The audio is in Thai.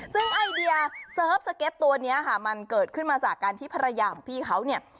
ซึ่งไอเดียเสิร์ฟสเก็ตตัวนี้ค่ะมันเกิดขึ้นมาจากการที่ภรรยาของพี่เขาเนี่ย